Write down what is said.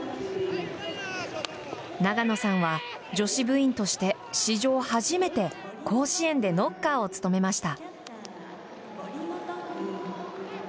永野さんは女子部員として史上初めて甲子園でノッカーを務めました。